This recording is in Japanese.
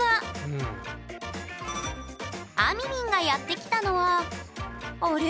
あみみんがやって来たのはあれ？